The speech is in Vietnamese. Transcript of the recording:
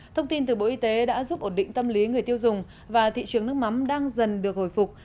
thông tin từ bộ y tế đã giúp ổn định tâm lý người tiêu dùng và thị trường nước mắm đang dần được hồi phục